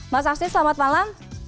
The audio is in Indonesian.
mas asnil selamat malam